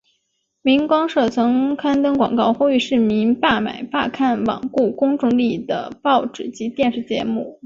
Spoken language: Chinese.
明光社曾刊登广告呼吁市民罢买罢看罔顾公众利益的报纸及电视节目。